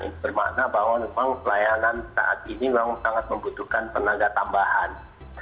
itu bermakna bangunan pelayanan saat ini memang sangat membutuhkan tenaga tambahan